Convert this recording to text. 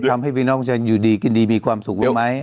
ทำให้พี่น้องฉันอยู่ดีกินดีมีความสุขไว้ไหม